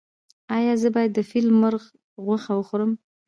ایا زه باید د فیل مرغ غوښه وخورم؟